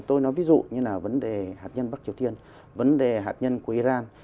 tôi nói ví dụ như là vấn đề hạt nhân bắc triều tiên vấn đề hạt nhân của iran